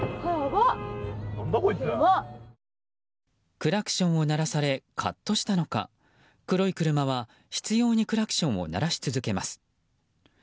クラクションを鳴らされカッとしたのか黒い車は執拗にクラクションを鳴らし続けます。